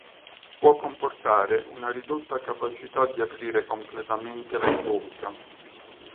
Può comportare una ridotta capacità di aprire completamente la bocca.